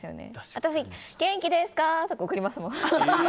私、元気ですかー！とか送りますもん。